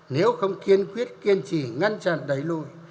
nếu không kiên quyết kiên trì ngăn chặn đẩy lùi